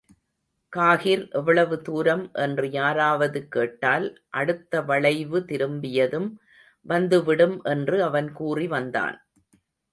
காஹிர் எவ்வளவு தூரம் என்று யாராவது கேட்டால், அடுத்த வளைவு திரும்பியதும் வந்து விடும் என்று அவன் கூறிவந்தான்.